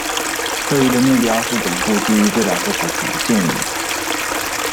会议的目标是巩固基于这两个主题的建议。